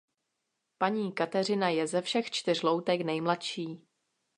Paní Kateřina je ze všech čtyř loutek nejmladší.